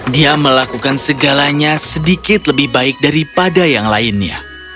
dia melakukan segalanya sedikit lebih baik daripada yang lainnya